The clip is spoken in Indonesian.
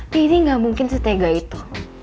jadi gak mungkin setega itu